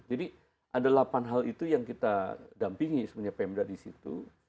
jadi ada delapan hal itu yang kita dampingi sebenarnya pemda di situ